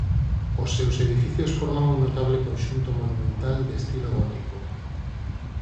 Os seus edificios forman un notable conxunto monumental de estilo gótico.